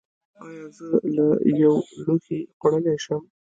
ایا زه له یو لوښي خوړلی شم؟